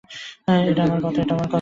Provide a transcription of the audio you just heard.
এটা আমার কথা।